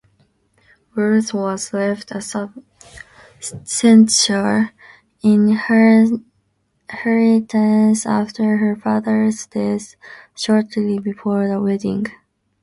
Ruth was left a substantial inheritance after her father's death shortly before the wedding.